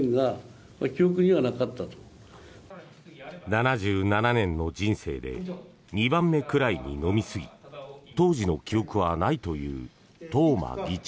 ７７年の人生で２番目くらいに飲みすぎ当時の記憶はないという東間議長。